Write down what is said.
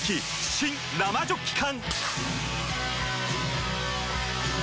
新・生ジョッキ缶！